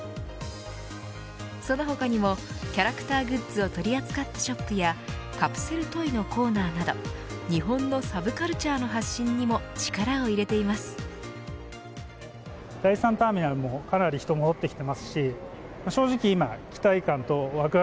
その他にもキャラクターグッズを取り扱ったショップやカプセルトイのコーナーなど日本のサブカルチャーの発信にも力を入れています。